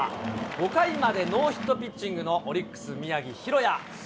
５回までノーヒットピッチングのオリックス、宮城大弥。